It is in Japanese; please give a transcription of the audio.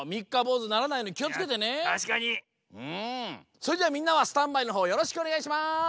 それじゃあみんなはスタンバイのほうよろしくおねがいします！